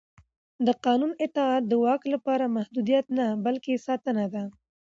د قانون اطاعت د واک لپاره محدودیت نه بلکې ساتنه ده